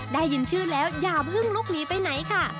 ได้ยินชื่อแล้วอย่าเพิ่งลุกหนีไปไหนค่ะ